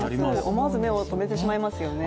思わず目をとめてしまいますよね。